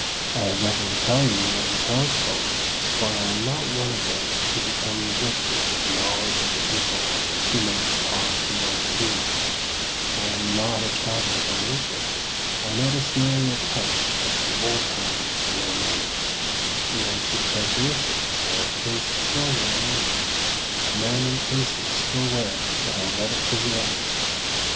I have nothing to tell you of the townsfolk, for I am not one of those who become gifted with the knowledge of a people after a few minutes' talk to one or two of them. I am not a traveller by nature. I notice merely a touch of the old times in their manners ; the antique characteristics are effaced slowly among them. Men and places still wear the Helvetic physiognomy.